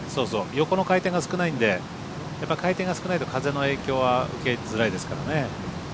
横の回転が少ないので回転が少ないと風の影響は受けづらいですからね。